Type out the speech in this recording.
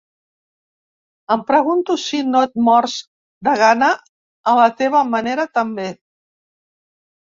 Em pregunto si no et mors de gana a la teva manera també.